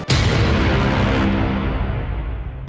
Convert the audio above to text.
เก่งเนอะ